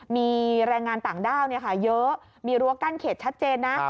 มีแรงงานต่างด้าวเยอะมีรั้วกั้นเขตชัดเจนนะ